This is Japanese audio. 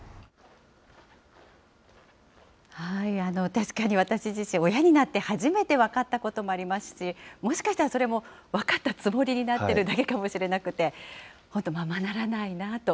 確かに私自身、親になって初めて分かったこともありますし、もしかしたらそれも分かったつもりになってるだけかもしれなくて、本当、ままならないなと。